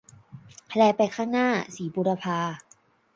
แลไปข้างหน้า - ศรีบูรพา